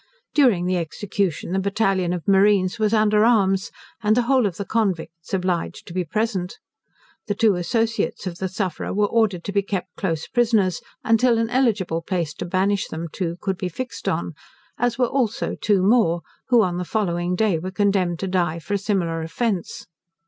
During the execution the battalion of marines was under arms, and the whole of the convicts obliged to be present. The two associates of the sufferer were ordered to be kept close prisoners, until an eligible place to banish them to could be fixed on; as were also two more, who on the following day were condemned to die for a similar offence.